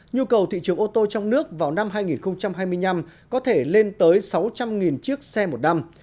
nhu cầu thị trường ô tô trong nước vào năm hai nghìn hai mươi năm có thể lên tới sáu trăm linh chiếc xe một năm